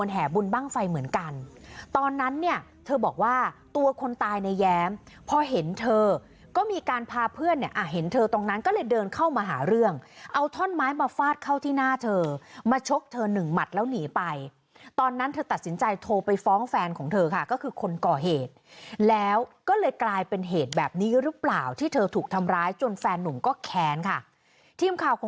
บุญบ้างไฟเหมือนกันตอนนั้นเนี่ยเธอบอกว่าตัวคนตายในแย้มพอเห็นเธอก็มีการพาเพื่อนเนี่ยเห็นเธอตรงนั้นก็เลยเดินเข้ามาหาเรื่องเอาท่อนไม้มาฟาดเข้าที่หน้าเธอมาชกเธอหนึ่งหมัดแล้วหนีไปตอนนั้นเธอตัดสินใจโทรไปฟ้องแฟนของเธอค่ะก็คือคนก่อเหตุแล้วก็เลยกลายเป็นเหตุแบบนี้หรือเปล่าที่เธอถูกทำร้ายจนแฟนหนุ่มก็แค้นค่ะทีมข่าว